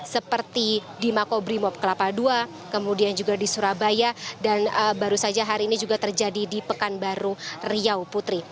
seperti di makobrimob kelapa ii kemudian juga di surabaya dan baru saja hari ini juga terjadi di pekanbaru riau putri